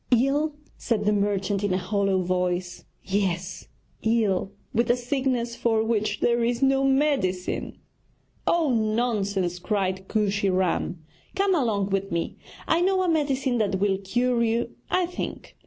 'Ill?' said the merchant in a hollow voice, 'yes; ill with a sickness for which there is no medicine.' 'Oh, nonsense!' cried Kooshy Ram. 'Come along with me, I know a medicine that will cure you, I think.'